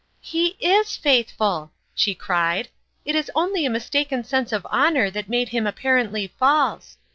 " He is faithful !" she cried. " It is only a mistaken sense of honor that made him ap parently false.